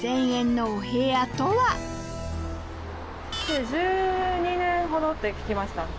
築１２年ほどって聞きました。